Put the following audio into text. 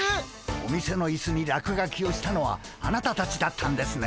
お店のいすに落書きをしたのはあなたたちだったんですね。